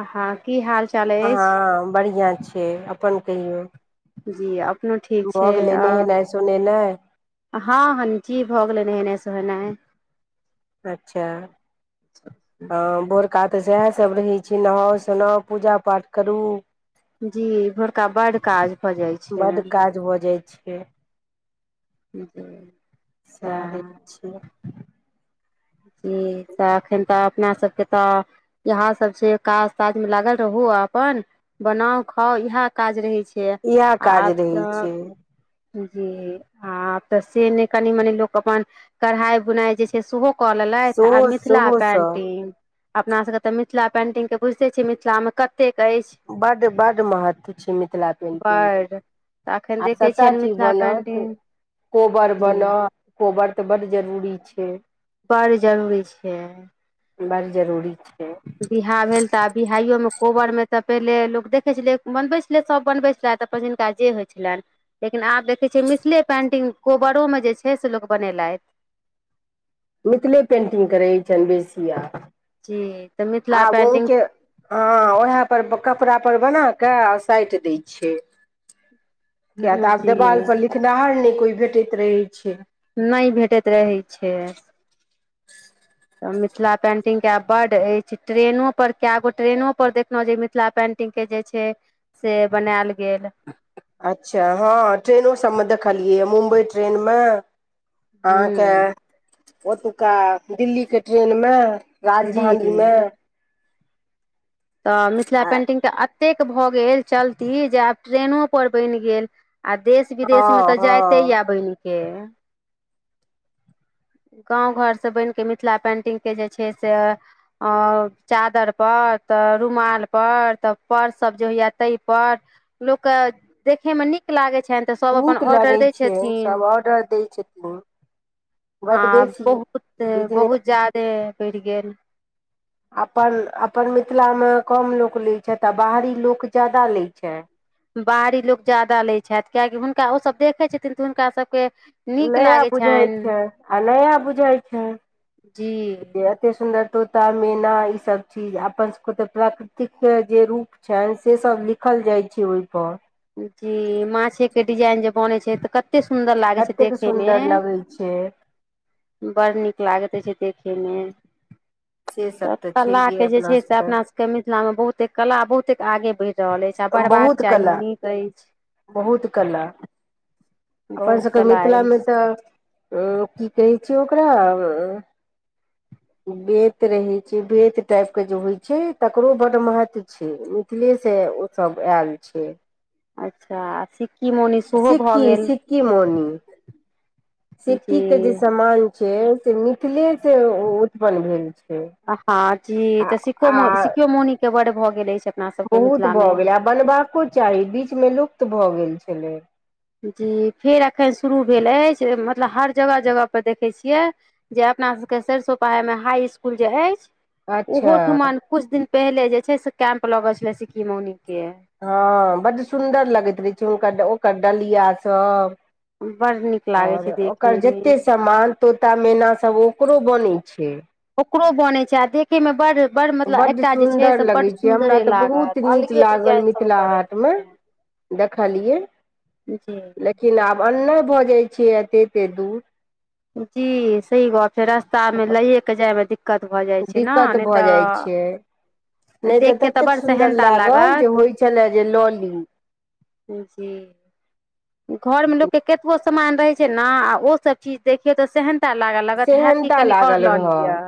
हँ हँ [inaudible] चाल अछि हँ बढ़ियां छै अपन कहियौ जी अपनो ठीक भऽ छै गेलै आ नहेनाइ सोनेनाइ हँ हँ जी भऽ गेलै नहेनाइ सोहेनाइ अच्छा हँ भोर का तऽ सएहसभ रहै छै नहाउ सोनाउ पूजा पाठ करू जी भोरका बड्ड काज भऽ जाइ छै से ह [inaudible] से आदमी छै। जी तऽ तखन तऽ अपना सब के तऽ इहे सब छै काज ताजमे लागल रहु अपन बनाउ खाउ इएह काज रहै छै इएह काज आब तऽ रहै छै जी हँ तऽ से ने कनि मनी लोक अपन कढ़ाइ बुनाइ जे छै सेहो कऽ लेलथि आ सेहो मिथिला सेहोसँ पेंटिंग अपना सबके तऽ मिथिला पेंटिंग तऽ बुझिते छियै मिथिलामे कत बड्ड बड्ड महत्व छै मिथिला पेंटिंग बड्ड तऽ एखन आ देखै सभटा छियनि चीज मिथिला बनत पेन्टिंग कोबर जी बनत कोबर तऽ बड्ड जरूरी छै बड़ जरूरी छै बड़ जरूरी छै बिहा भेल तऽ आ बिहाइ योमे कोबरमे तऽ पहिले लोक देखै छलै बनबै छलै सभ बनबै छलै तऽ जिनका जे होइ छलनि लेकिन आब देखै छियै मिथिले पेंटिंग कोबरोमे जे छै से लोक बनेलथि मिथिले पेन्टिंग करैत छनि बेसी आब जी तऽ मिथिला आब ओ पेन्टिंग के हँ उहे पर कपड़ा पर बना के साइट दै छै किया तऽ आब देवाल जी पर लिखनाहार नै कोइ भेटैत रहै छै नहि भेटैत रहै छै तऽ मिथिला पेंटिंगके आब बड्ड अछि ट्रेनो पर कए गो ट्रेनो पर देखलहुँ जे मिथिला पेन्टिंग के जे छै से बनायल गेल अच्छा हँ ट्रेनो सबमे देखलियै मुम्बई ट्रेन मे अहाँके हूँ ओतुक्का दिल्लीके ट्रेनमे जी राजधानीमे तऽ मिथिला पेंटिंग के अ एतेक भऽ गेल चलती जे आब ट्रेनो पर बनि गेल आ देश विदेशमे हँ तऽ जाइते हँ ये बनि के गाँव घरसँ बनिकेऽ मिथिला पेन्टिंगके जे छै से अ चादर पर तऽ रूमाल पर तऽ पर्स सब जे होइया तहि पर लोक के देखै मे नीक लागे छै छैन तऽ सब अपन नीक ओर्डर लगै दै छै छथिन सब ऑर्डर दै छथिन बड आ बेसी बहुत बिजनेस बहुत जादे बढ़ि गेल अपन अपन मिथिलामे कम लोक लैत छथि आ बाहरी लोक ज्यादा लैत छथि बाहरी लोक ज्यादा लै छथि कियाकि हुनका ओसभ देखैत छथिन तऽ हुनका सभके नीक नया लागै बुझैत छनि छै आ नया बुझैत जी छै अति सुन्दर तोता मैना ई सब चीज अपन सबके तऽ प्राकृतिक के जे रूप छनि से सब लिखल जाइ छै ओहिपर जी माछेके डिजाइन जे बनैत छै तऽ कत एते सुन्दर लागे छै कतेक देखै मे सुन्दर लगै छै बड़ नीक लागैत अछि देखेमे तऽ कला के जे छै से अपना सबके मिथ मिथिल मे बहुते कला बहुते आगे बढ़ि रहल अछि आ बढ़बाक बहुत चाही कला नीक अछि बहुत कला अपन बहुत सभके कला मिथिलामे अछि तऽ ओ की कहै छै ओकरा [inaudible] बेत रहे छै बेत टाइप के जे होइ छै तकरो बड महत्व छैय मिथिले से से ओ सब आयल छै अच्छा आ सिक्की मौनी सेहो भऽ सिक्की गेल जी सिक्कीके जे सामान छै से मिथिलेसँ उत्पन्न भेल छै हँ जी आ तऽ सिकको आ सिक्को मौनी के बड भऽ गेले शक बहुत भऽ गेलै आ बनबाको चाही बीचमे लुप्त भऽ गेल छलै जी फेर एखन शुरू भेल अछि मतलब हर जगह जगहपर देखै छियै जे अपना सब के सरिसो पाहाइ में हाई स्कूल जे अछि अच्छा ओहो ठमा कुछ दिन पहिले जे छै से कैम्प लगल छलै सिक्कि मोनी हँ बड्ड सुन्दर लगैत रहै छै हुनकर ओकर डलिय बड़ नीक सब लागे ओर छै देखे ओकर मे जते समान तोता मैना सब ओ ओकरो बनै छै ओकरो बनै छै आ देखे मे बड बड़ मतलब बड्ड एकटा जे छै सुन्दर से लगै बड छै हमरा सुन्दरे तऽ बहुत लागत अलगे डिजाइन सब ओकर रहै छै देख खलियै जी लेकिन आब एन्नाइ भऽ जाइ छै एते एते दूर जी सही बात छैे रास्ता मे लैए के जाय मे दिक्कत दिक्कत भऽ जाइ छै न नहि तऽ नय देख तऽ के ततेक बड़ सुन्दर सेहनता लागल लागत जे होइ छलैए जे लऽ ली जी घरमे लोकके केतबो सामान रहैत छै ने आ ओसब चीज देखियौ तऽ सेहेन सेहेनता लागल लिअ रहत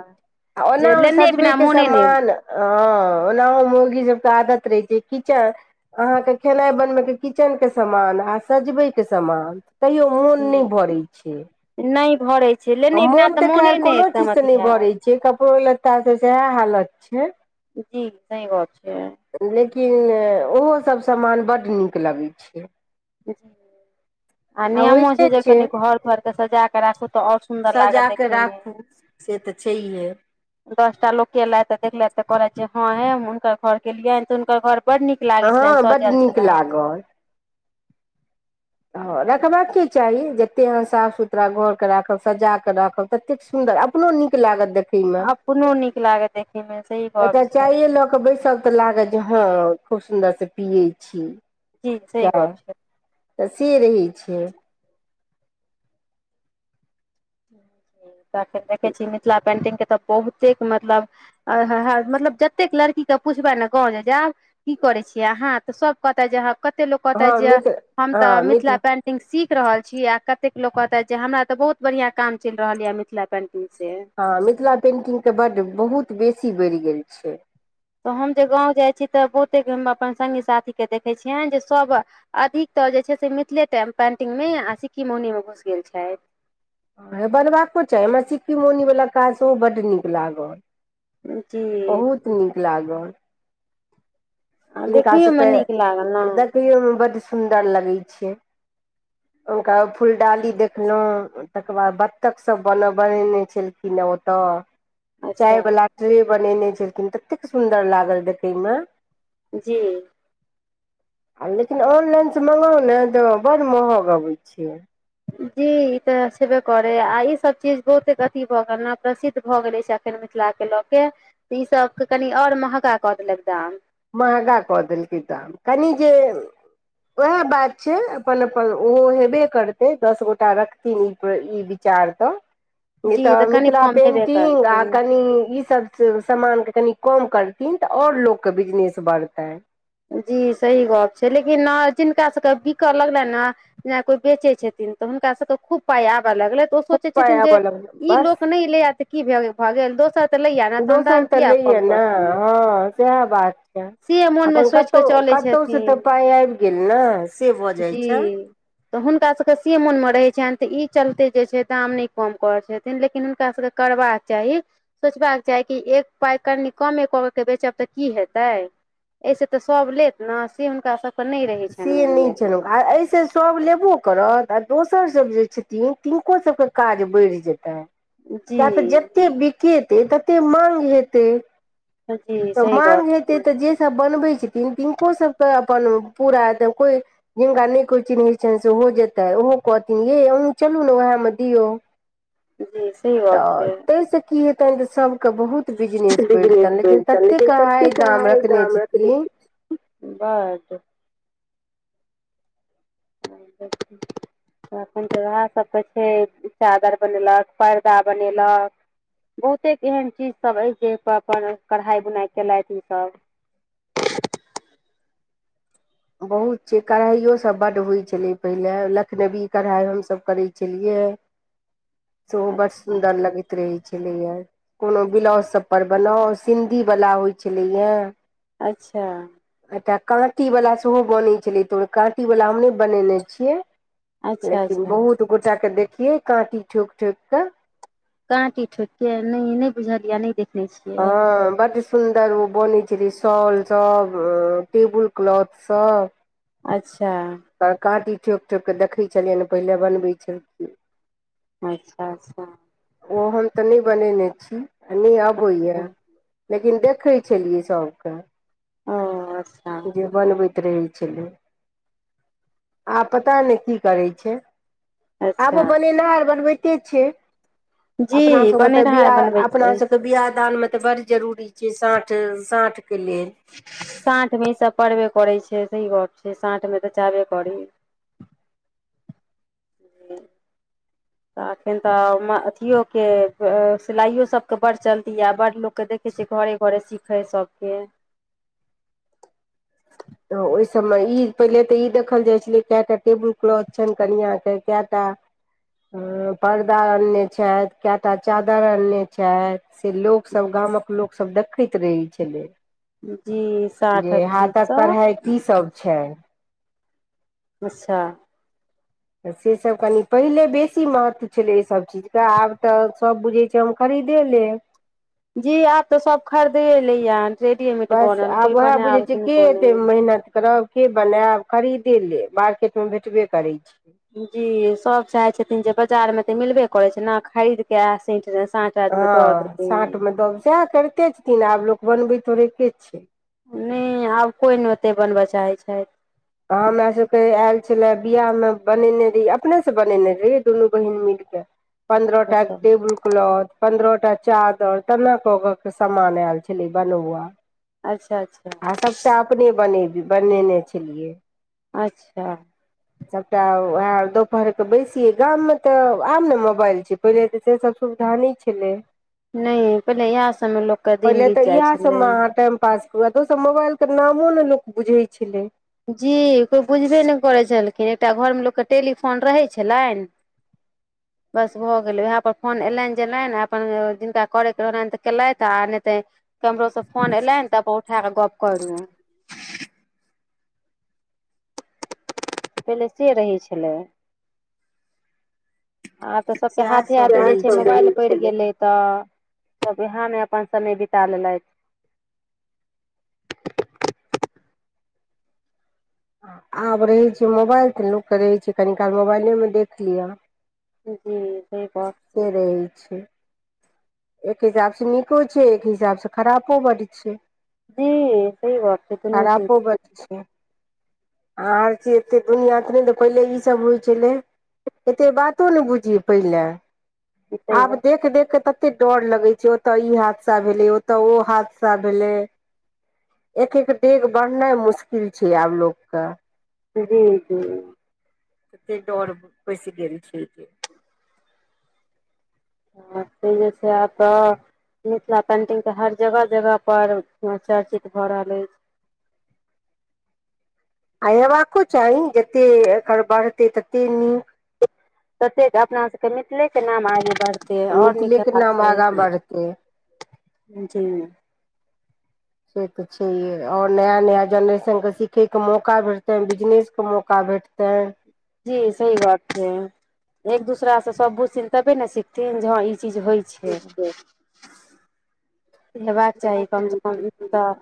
आ जे ओनाहु लेने बिना सजबेके मोने नहि समान हाँ ओनाहो मुउगी सभके आदत रहै जे किचेन अहाँके खेनाई बनबय के किचेन के समान आ सजबैय के समान तैयो मोन नहि जी भरै छै नहि भरै छै आ लेने बिना मोन तऽ खैर मोने नहि कोनो एकदम चीजसे अथी नहि हैत भरैत छै कपड़ो लत्तासे सेहै हालत छै जी सही बात छै कि ओहोसब समान बड्ड नीक लगैत छै जी आ नियमो छै जे कनी हर तरके सजा कऽ राखू तऽ और सुंदर लागत सजा कऽ देखे मे राखू से तऽ छैहे दस टा लोक के लथि देखलथि तऽ कहलथि जे हाँ हे हम हुनकर घर केलियैनि तऽ हुनकर घर बड नीक लागे छलैन हँ बड सजल नीक छलैन। हाँ रखबाके चाही जतेक अह साफ सुथरा घरके राखब सजा कऽ राखब ततेक सुन्दर अपनो निक लागत दैखैमे अपनो नीक लागत देखे मे सही गप एकट छै चाय ल क बैसब त लागत जे हाँ खूब सुन्दर से पियै छी जी सही चाय बात छै तऽ से रहै छै तखर देखै छी मिथिला पेंटिंग के तऽ बहुते मतलब आए हाए मतल मतलब जतेक लड़की के पुछबै ने गाँब जे जायब की करे छीयै अहाँ तऽ सब कहते जे हम कते लोको कहताे हँ जे मिथिल हम तऽ हँ मिथिला पेंटिंग सीख रहल छी आ कतेक लोक कहत जे हमरा तऽ बहुत बढ़ियां काम चलि रहल यए मिथिला पेन्टिग हाँ मिथिला पेन्टिंग तऽ बड्ड बहुत बेसी बढ़ि गेल छै तऽ हम जे गाँव जाइ छी तऽ बहुते अपन संगी साथी के देखैत छियै जे सब अधिकतर जे छै से मिथिले पेन्टिंगमे आ सिक्की मौनीमे घुसि गेल छथि बनबाको चाही हमरा सिक्की मौनीवला काज सेहो बड्ड नीक लागल जी बहुत नीक लागल हिनका देखैयोमे सबके नीक लागल ने देखैयोमे बड्ड सुन्दर लगै छैय। हुनका फुलडाली देखलहुँ तकर बाद बत्तखसब बन बनेने छलखिन। ओतऽ अच्छा चायवला ट्रे बनेने छलखिन ततेक सुन्दर लागल देखयमे। जी आ लेकिन ऑनलाइन से मंगाउ ने तऽ बड़ महग अबैत छैय। जी ई तऽ छेबे करे आ ई सब चीज बहुते अथी भऽ गेल ने प्रसिद्ध भए गेलय से अखन मे मिथिला के लऽ के त ई सब के कनि आऔर महगा कऽ देलक दाम। महगा कऽ देलकै दाम कनि जे उएह बात छैय अपन अपन ओ हेबे करतै दस गोटा रखथिन ई ई विचार नहि त जी तऽ कनि मिथिला कम हेबे पेंटिंग आ करतै कनि ई सब सामानके कनि कम करथिन तऽ ओर लोकके बिजनेस बढ़तै। जी सही गप छैय लेकिन जिनका सबके बिक लगलनि ने जेना कोइ बेचै छथिन तऽ हुनकासबके तऽ खूब पाय लगलै तऽ ओ सोचे खूब पाय छथिन जे आबऽ लगतै ई बस लोक नहि लैया तऽ की भऽ गेल दोसर तऽ लैया ने हम दोसर दाम तऽ किया कम लैए ने करतियै हाँ सएह बात से मोनमे अपन सोचि कऽ कतहु चलै कतहुसे छथिन तऽ पाई आब गेल ने से भऽ जाइ छैय। जी तऽ हुनकासबके से मोनमे रहैत छनि तऽ ई चलते जे छैय दाम नहि कम करैत छथिन लेकिन हुनकासबके करबाक चाही सोचबाक चाही कि एक पाइ कनि कमे क के बेचब तऽ की हेतै। एहिसँ तऽ सभ लेत ने से हुनका सभके नहि रहै छनि से मोनमे। नहि छनि आ एहिसँ सभ लेबो करत आ दोसर सब जे छथिन तिनको सबके काज बढ़ि जेतनि किया तऽ जी जते बिकेतै तते माग हेतै। जी तऽ सही मांग गप हेतै छै तऽ जेसभ बनबै छथिन तिनको सभके अपन पूरा एत कोई जिनका नहि कोई चिन्है छनि सेहो जेतय ओहो कहथिन येय अहू चलु ने उएह में दीयौ जी सही गप तऽ छै तइ से कि हेतइन जे सब के बहुत बिजनेस बिजनेस बढ़ितैन लेकिन करितै ततेक लेकिन हाइ दाम रखने छथिन बस ह [unintelligible] अखन तऽ उएहसभ कहै छै चादर बनेलक पर्दा बनेलक बहुतेक एहन चीजसभ अछि जाहिपर अपन कढ़ाइ बुनाइ कयलथि उसभ [unintelligible] बहुत छैय कढ़ाइयो सब बड होइ छलै। पहिले लखनवी कढ़ाइ हमसभ करै छेलियै। सेहो बड़ अच्छा सुंन्दर लगैत रहै छलैया। कोनो ब्लाउजसभर बनाउ सिन्धीवला होइत छलैए अच्छा काँटी वला सेहो बनै छलै तऽ काँटी वला हम नहि बनेने छियै। अच्छा लेकिन अच्छा बहुत गोटाके देखियै काँटी ठोकी ठोक कऽ काँटी ठोकि के नहि नहि बुझलयए आ नहि देखने छियै। सुन्दर ओ बनै छेलय शॉल सब टेबुल क्लॉथ सब अच्छा हं काँटी ठोक ठोकि कऽ देखै छलियनि पहिले बनबै छलखिन अच्छा अच्छा ओ हम तऽ नहि बनेने छी आ नहि अबैया लेकिन देख देखै छलियै सबके ओ अच्छा रहय छलै आ पता नहि की करैत छै अच्छा आबो बनेनहार बनबैत के छैय जी अपना सबके तऽ बनेनिहार बियाह बनबैत अपना अछि सबके बियाह दान मे तऽ बड़ जरूरी छैय साँठ साँठ के लेल। साँठिमे ईसभ पड़बे करै छैय सही गप छैय साँठमे तऽ चाहबे करी। [inaudible] [unintelligible] तऽ एखन तऽ अथियोके सिलाइयो सभके बड़ चलती य बड़ लोककेँ देखै छियै घरे घरे सिखै सबके। तऽ ओहि सभमे ई पहिले तऽ ई देखल जाइत छलै कएटा टेबुल क्लॉथ छनि कनिया कयटा हं पर्दा आनने छथि कएटा चादरि आनने छथि से लोकसभ गा गामक लोक सब देखैत रहै छलै जी साठ अ ची कढ़ाई की सब छैय? अच्छा तऽ सेसभ कनि पहिले बेसी महत्व छलै एहिसभ चीजके आब तऽ सभ बुझैत छै हम खरी खरीदे लेब जी आब तो सब खरीदए लैयान। बस आब उएह बुझैत छियै की एतेक नहि मेहनत करब के बनायब खरीदे ले मार्केट में भेटबे करै छैय। जी सब चाहे छथिन जे बाजार मे ते मिलबे करै छैय न खरीद के आ स हँ साँटमे दब सएह करिते छथिन आब लोक बनबैत थोड़ेके छै नहि आब कोइ नै ओते बनबय चाहै छथि। हमरा सभ के आयल छले बियाह में बनेने रही अपनेसँ बनेने रही दुनू बहिन मिल पंद्रह टा अच्छा टेबुल क्लॉथ पन्द्रह टा चादर तेना क क के सामान आयल छलै बनौआ। अच्छा अच्छा आ सभटा अपने बनेबी बनेने छलियै। अच्छा सभटा उएह दोपहर के बैसियै गाम में तऽ आब ने मोबाइल छैय पहिले तऽ से सभ सुविधा नहि छलै। नै पहिले इएह सभमे लोक के दिन बीत जाइ छलै। वेह दोसब मोबाइल के नामो ने लोक बुझै छलै। जी कोइ बुझबे नहि करैत छलखिन एकटा घरमें लोकके टेलीफोन रहैत छलैनि। [inaudible] बस भऽ गेलय उएह पर फोन एयलनि जेलनी अपन जिनका करयके रहलनि तऽ केलथि आ नहि ते कैम्हरो स फोन एलेन तब अपन उठा क गप करलौ। पहिले से रहै छलै। आब तऽ सबके सएह हाथे हाथ सब जे रहै छै छलै मोबाइल बढि गेलै तऽ सभ उएहमे अपन समय बिता लेलथि [unintelligible] आब रहैत छैय मोबाइल तऽ लोक के रहैत छैय कनि काल मोबाइले में देख लिअ। जी सही बात से छैय। रहै छै एक हिसाबसँ नीको छैय एक हिसाबसँ खरापो बड छैय। जी सही बात छैय दुनु चीज बड्ड छै आर चीज एतेक दुनिआँ त नहि तऽ पहिले ईसभ होइ छलै। एते बातो ने बुझियय पहिले सही आब देख देख कऽ त कते डर लगै छैय ओतऽ ई हादसा भेलै ओतऽ ओ हादसा भेलै। एक एक डेग बढ़नाइ मुश्किल छैय आब लोकके। जी जी तते डडर बैसी गेल छैय के ह से जे छैय आब तऽ मिथिला पेन्टिंग त हर जगह जगहपर चर्चित भऽ रहल अछि। [inaudible] हेबाको चाही जते एकर बढ़तै ततेक नीक ततेक अपना सबके मिथिले के नाम आय बढ़ते आओर मिथिलेके नीकेबात नाम छै आगाँ बढ़तै जी से तऽ छैेहे आओर नया नया जनरेशन के सीखय के मौका भेटतेन बिजनेस के मौ का भैटतेैन जी सही बात छै एक दूसरा से सब बुझथिन तबे ने सिखथिन जे हँ चीज होइ छै ठीक हेबाक चाही कमसँ कम इ छै तऽ